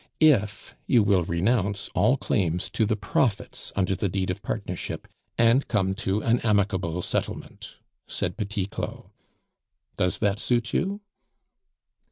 "If you will renounce all claims to the profits under the deed of partnership, and come to an amicable settlement," said Petit Claud. "Does that suit you?"